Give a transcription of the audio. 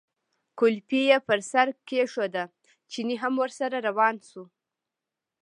کولپۍ یې پر سر کېښوده، چيني هم ورسره روان شو.